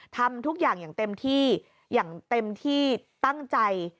ทำทุกอย่างอย่างเต็มที่อย่างเต็มที่ตั้งใจ